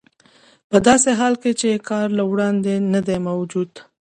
په داسې حال کې چې کار له وړاندې نه دی موجود